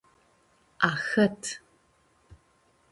Ahãt.